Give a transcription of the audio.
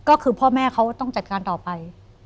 ก็คือพ่อแม่เขาต้องจัดการต่อไป